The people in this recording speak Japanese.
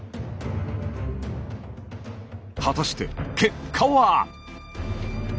果たして結果は？